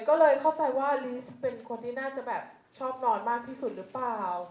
ก็เลยเข้าใจว่าลีสเป็นคนที่น่าจะแบบชอบนอนมากที่สุดหรือเปล่า